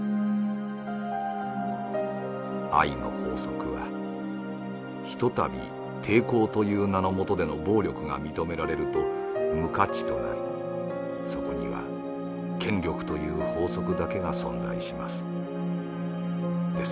愛の法則はひとたび抵抗という名のもとでの暴力が認められると無価値となりそこには権力という法則だけが存在します。